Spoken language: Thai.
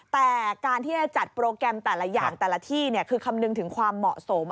แต่การที่จะจัดโปรแกรมแต่ละอย่างแต่ละที่คือคำนึงถึงความเหมาะสม